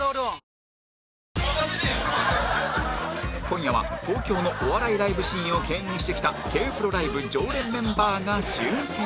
今夜は東京のお笑いライブシーンを牽引してきた Ｋ−ＰＲＯ ライブ常連メンバーが集結